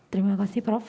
terima kasih prof